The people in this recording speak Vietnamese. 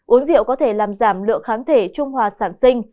uống rượu có thể làm giảm lượng kháng thể trung hòa sản sinh